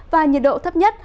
và nhiệt độ thấp nhất